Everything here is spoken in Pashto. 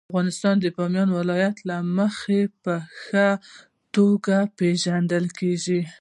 افغانستان د بامیان د ولایت له مخې په ښه توګه پېژندل کېږي.